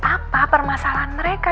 apa permasalahan mereka